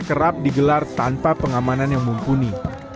kerap digelar tanpa pengamanan yang mumpuni